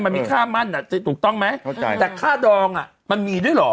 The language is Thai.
มันมีค่ามั่นอ่ะถูกต้องไหมเข้าใจแต่ค่าดองอ่ะมันมีด้วยเหรอ